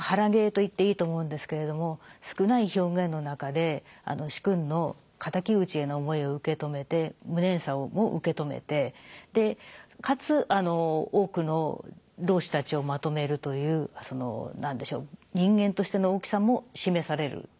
肚芸といっていいと思うんですけれども少ない表現の中で主君の敵討ちへの思いを受け止めて無念さをも受け止めてかつ多くの浪士たちをまとめるというその何でしょう人間としての大きさも示される。